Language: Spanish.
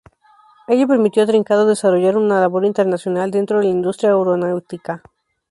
Ello permitió a Trincado desarrollar una labor internacional dentro de la industria aeronáutica.